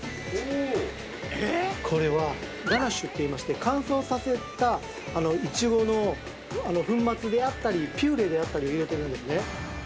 これはガナッシュっていいまして乾燥させたイチゴの粉末であったりピューレであったりを入れてるんですね。